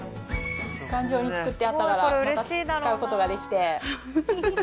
頑丈に作ってあったからまた使うことができて。